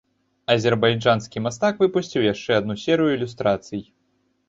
Азербайджанскі мастак выпусціў яшчэ адну серыю ілюстрацый.